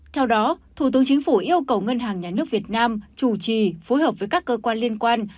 theo đó thủ tướng chính phủ yêu cầu ngân hàng nhà nước việt nam chủ trì phối hợp với các cơ quan liên quan